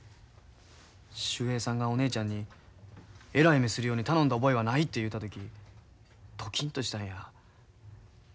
秀平さんがお姉ちゃんにえらい目するように頼んだ覚えはないて言うた時ドキンとしたんや。